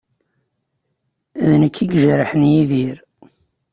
D nekk ay ijerḥen Yidir.